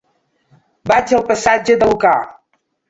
Vaig al passatge de Lucà.